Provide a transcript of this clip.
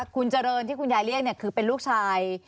คุณเจริญที่คุณยายเรียกคือเป็นลูกชาย